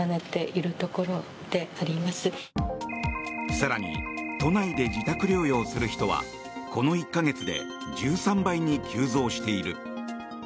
更に都内で自宅療養する人はこの１か月で１３倍に急増している。